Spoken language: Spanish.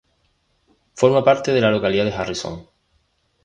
Forma parte de la localidad de Harrison.